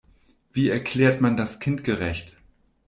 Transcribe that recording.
Wie erklärt man das kindgerecht?